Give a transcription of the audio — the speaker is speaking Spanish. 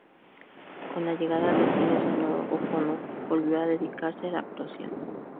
Con la llegada del cine sonoro, O'Connor volvió a dedicarse a la actuación.